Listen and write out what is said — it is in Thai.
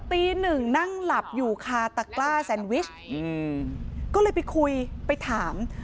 ตีหนึ่งนั่งหลับอยู่คาตะกล้าแซนวิชก็เลยไปคุยไปถาม